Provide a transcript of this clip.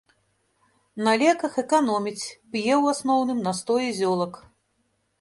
На леках эканоміць, п'е, у асноўным, настоі зёлак.